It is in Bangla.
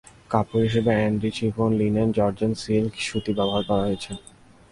কাপড় হিসেবে অ্যান্ডি, শিফন, লিনেন, জর্জেট, সিল্ক, সুতি ব্যবহার করা হয়েছে।